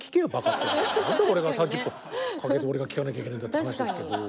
何で俺が３０分かけて俺が聞かなきゃいけないんだって話ですけど。